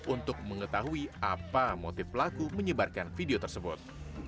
untuk mengetahui apa motif pelaku menyebarkan video tersebut